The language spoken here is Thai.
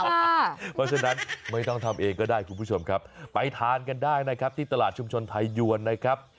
เพราะฉะนั้นไม่ต้องทำเองก็ได้คุณผู้ชมครับไปทานกันได้นะครับที่ตลาดชุมชนไทยยวนนะครับ